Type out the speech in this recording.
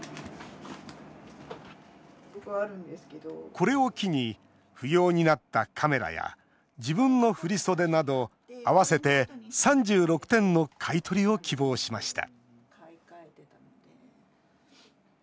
これを機に不要になったカメラや自分の振り袖など合わせて３６点の買い取りを希望しました